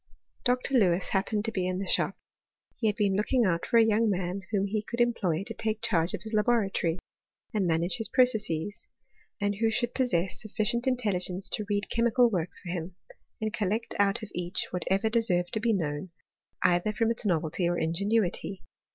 Dr. Lewis happened to be in the shop : he had been looking out for a young man whom he could employ to take charge of his laboratory, and manage his processes, and who should possess sufficient intel ligence to read chemical works for him, and collect out of each whatever deserved to be known, either from its novelty or ingenuity.